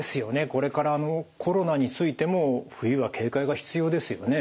これからコロナについても冬は警戒が必要ですよね。